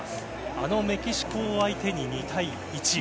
あのメキシコを相手に２対１。